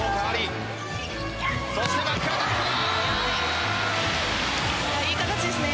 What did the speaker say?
そしてバックアタックだ。